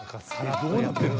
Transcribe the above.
どうなってるの？